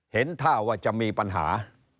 เห็นท่าว่าจะมีปัญหา